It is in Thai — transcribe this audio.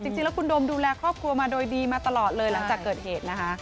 จริงแล้วคุณโดมดูแลครอบครัวมาโดยดีมาตลอดเลยหลังจากเกิดเหตุนะคะ